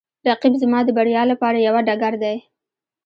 رقیب زما د بریا لپاره یوه ډګر دی